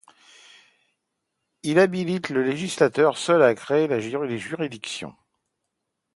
Il habilite le législateur seul à créer les juridictions.